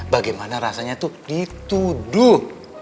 bagaimana rasanya tuh dituduh